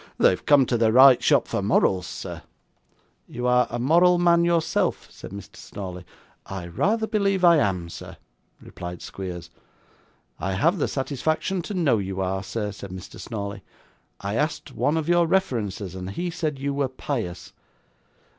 'They have come to the right shop for morals, sir.' 'You are a moral man yourself,' said Mr. Snawley. 'I rather believe I am, sir,' replied Squeers. 'I have the satisfaction to know you are, sir,' said Mr. Snawley. 'I asked one of your references, and he said you were pious.